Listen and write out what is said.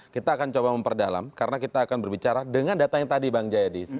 kita akan coba memperdalam karena kita akan berbicara dengan data yang tadi bang jayadi